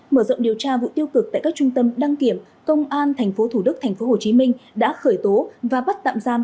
mở rộng điều tra vụ tiêu cực tại các trung tâm đăng kiểm công an tp thủ đức tp hcm đã khởi tố và bắt tạm giam